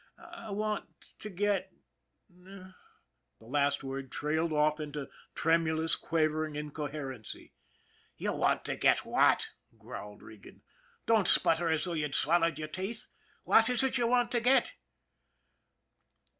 " I want to get " the last word trailed off into tremulous, quavering incoherency. " You want to get what ?" growled Regan. " Don't sputter as though you'd swallowed your teeth. What is it you want to get